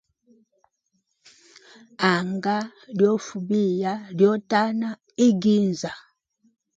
Anga liofa biya, lyotana iginza.